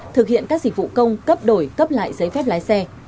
thực hiện các dịch vụ công cấp đổi cấp lại giấy phép lái xe